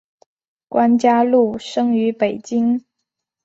关嘉禄生于北京。